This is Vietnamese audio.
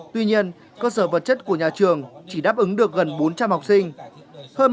tuy nhiên cơ sở vật chất của nhà trường chỉ đáp ứng được gần bốn trăm linh học sinh